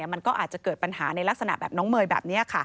มันก็อาจจะเกิดปัญหาในลักษณะแบบน้องเมย์แบบนี้